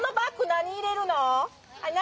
何入れるの？